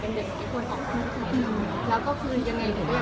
ยังไงผู้ใหญ่อะค่ะเพราะว่าแม่คือเหมือนภาคในบ้าน